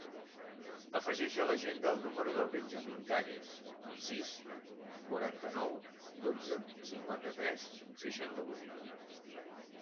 Afegeix a l'agenda el número del Benjamín Calles: sis, quaranta-nou, dotze, cinquanta-tres, seixanta-vuit.